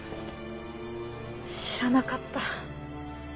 知らなかった。